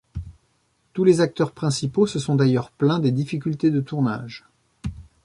Tous les acteurs principaux se sont d'ailleurs plaints des difficultés de tournage.